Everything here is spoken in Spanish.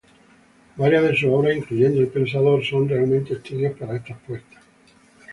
Varias de sus obras, incluyendo "El Pensador", son realmente estudios para estas puertas.